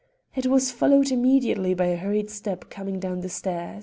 It was followed immediately by a hurried step coming down the stair.